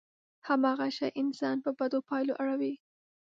هماغه شی انسان په بدو پايلو اړوي.